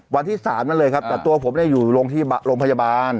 วันที่๓มาเลยครับแต่ตัวผมอยู่โรงพยาบาล